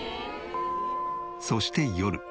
そして夜。